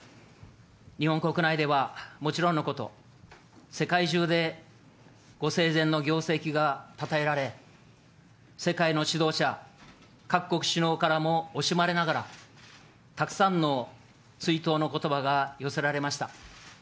日本国内ではもちろんのこと、世界中でご生前の業績がたたえられ、世界の主導者、各国首脳からも惜しまれながら、たくさんの追悼のことばが寄せられました。